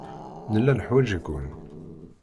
Nella neḥwaj-iken.